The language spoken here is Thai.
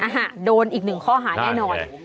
โดนอีกหนึ่งข้อหาแน่นอน